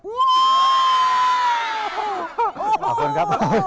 ขอบคุณครับ